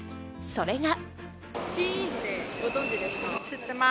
それが。